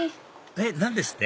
えっ何ですって？